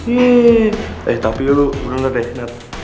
ih eh tapi lo bener deh nat